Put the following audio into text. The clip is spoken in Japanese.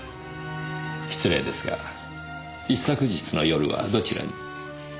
失礼ですが一昨日の夜はどちらに？